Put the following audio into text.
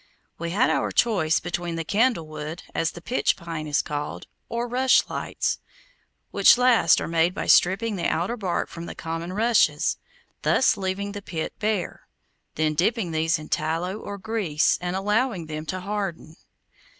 We had our choice between the candle wood, as the pitch pine is called, or rushlights, which last are made by stripping the outer bark from common rushes, thus leaving the pith bare; then dipping these in tallow, or grease, and allowing them to harden.